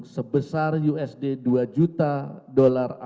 sebesar usd dua usd